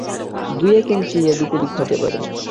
দু-এক inch এদিক-ওদিক হতে পারে।